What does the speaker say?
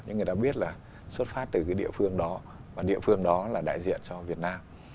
nhưng người ta biết là xuất phát từ cái địa phương đó và địa phương đó là đại diện cho việt nam